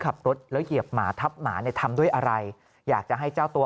ขับรถแล้วเหยียบหมาทับหมาเนี่ยทำด้วยอะไรอยากจะให้เจ้าตัว